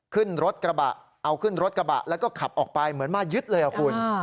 ขึ้นรถกระบะเอาขึ้นรถกระบะแล้วก็ขับออกไปเหมือนมายึดเลยคุณ